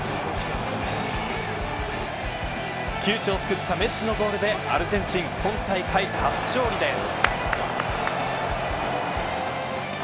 窮地を救ったメッシのゴールでアルゼンチン今大会初勝利です。